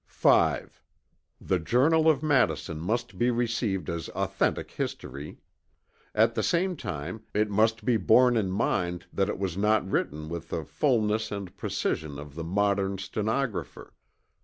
5. The Journal of Madison must be received as authentic history. At the same time it must be borne in mind that it was not written with the fulness and precision of the modern stenographer.